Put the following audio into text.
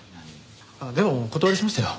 でもお断りしましたよ。